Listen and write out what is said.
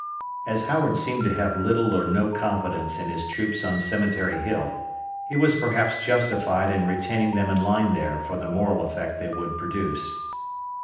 As Howard seemed to have little or no confidence in his troops on Cemetery Hill, he was perhaps justified in retaining them in line there for the moral effect they would produce.